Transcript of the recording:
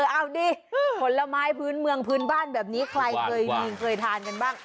เอาดิผลไม้พื้นเมืองพื้นบ้านแบบนี้ใครเคยมีเคยทานกันบ้าง